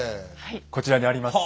こちらにあります。